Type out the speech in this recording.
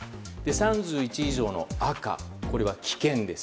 ３１以上の赤、これは危険です。